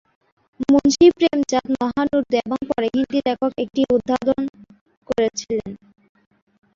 মুন্সি প্রেমচাঁদ, মহান উর্দু এবং পরে হিন্দি লেখক এটি উদ্বোধন করেছিলেন।